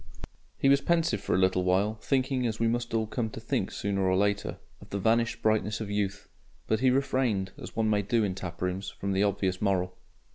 He was pensive for a little while, thinking, as we must all come to think sooner or later, of the vanished brightness of youth. But he refrained, as one may do in taprooms, from the obvious moral.